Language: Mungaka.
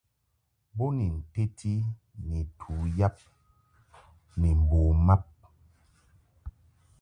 Bo ni nteti ni tu yab ni mbo mab.